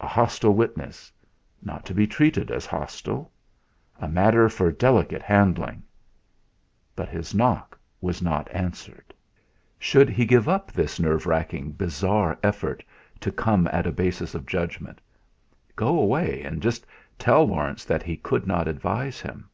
A hostile witness not to be treated as hostile a matter for delicate handling! But his knock was not answered. Should he give up this nerve racking, bizarre effort to come at a basis of judgment; go away, and just tell Laurence that he could not advise him?